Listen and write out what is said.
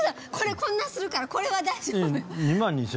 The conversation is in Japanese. これこんなにするからこれは大丈夫。